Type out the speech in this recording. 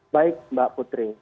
baik mbak putri